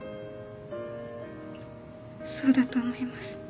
そうだと思います